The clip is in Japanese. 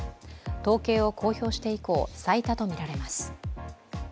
統計を公表して以降、最多とみられます。